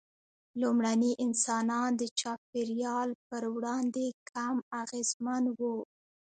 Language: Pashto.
لومړني انسانان د چاپېریال پر وړاندې کم اغېزمن وو.